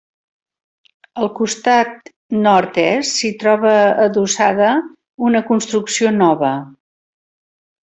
Al costat nord-est s'hi troba adossada una construcció nova.